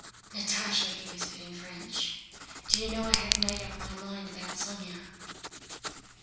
"Natásha!" he whispered in French, "do you know I have made up my mind about Sónya?"